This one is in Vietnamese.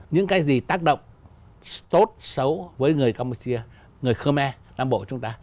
những cái gì tác động tốt xấu với người campuchia người khmer nam bộ chúng ta